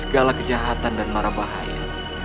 segala kejahatan dan marah bahaya